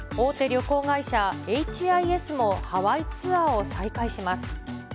旅行会社、ＨＩＳもハワイツアーを再開します。